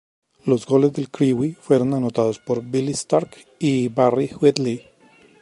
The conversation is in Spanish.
Los goles del Crewe fueron anotados por Billy Stark y Barrie Wheatley.